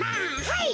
はい！